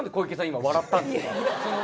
今笑ったんですか？